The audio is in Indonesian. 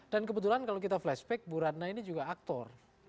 dan kebetulan kalau kita flashback bu ratna ini juga aktor